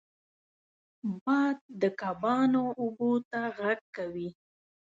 باد د کبانو اوبو ته غږ کوي